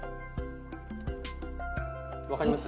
分かります？